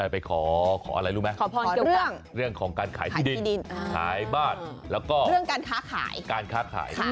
ไปขออะไรรู้ไหมขอพรเรื่องของการขายที่ดินขายบ้านแล้วก็เรื่องการค้าขายการค้าขาย